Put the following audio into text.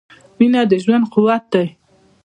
• مینه د ژوند قوت دی.